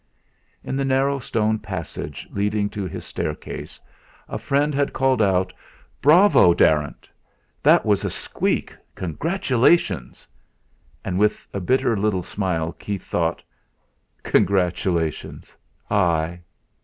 In the narrow stone passage leading to his staircase, a friend had called out: "Bravo, Darrant! That was a squeak! Congratulations!" And with a bitter little smile Keith thought: 'Congratulations! I!'